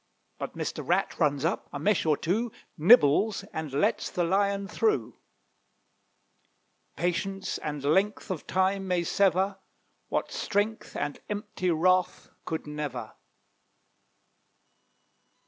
But Mr. Rat runs up; a mesh or two Nibbles, and lets the Lion through Patience and length of time may sever, What strength and empty wrath could never.